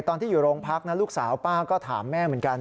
ตอนที่อยู่โรงพักนะลูกสาวป้าก็ถามแม่เหมือนกัน